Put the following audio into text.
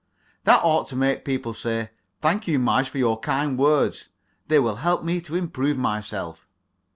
That ought to make people say: "Thank you, Marge, for your kind words. They will help me to improve myself."